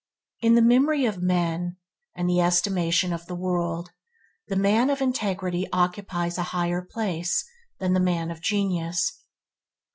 In the memory of men and the estimation of the world the man of integrity occupies a higher place than the man of genius.